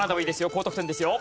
高得点ですよ。